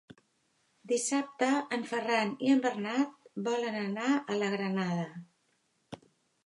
Dissabte en Ferran i en Bernat volen anar a la Granada.